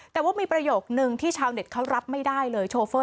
แต่ว่ามีประโยคนึงที่ชาวเน็ตเขารับไม่ได้เลยโชเฟอร์